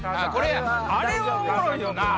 あれはおもろいよな！